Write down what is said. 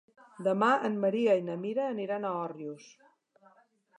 Demà en Maria i na Mira aniran a Òrrius.